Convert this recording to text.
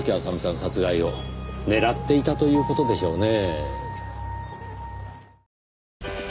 殺害を狙っていたという事でしょうねぇ。